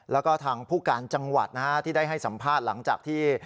แล้วก็ทางผู้การจังหวัดที่ได้ให้สัมภาษณ์หลังจากที่